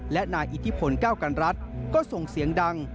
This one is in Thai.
และนายอิทธิพลเก้ากันรัฐก็ส่งเสียงดัง